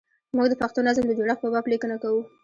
موږ د پښتو نظم د جوړښت په باب لیکنه کوو.